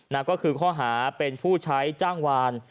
นั่นก็คือข้อหาเป็นผู้ใช้จ้างวาน